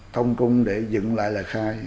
thông cung để dựng lại lời khai